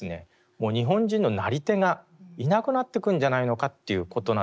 もう日本人のなり手がいなくなってくんじゃないのかということなんですよね。